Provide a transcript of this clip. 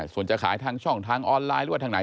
ส่วนจะขายทางช่องทางออนไลน์หรือว่าทางไหน